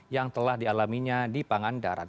yang telah dialaminya di pangandaran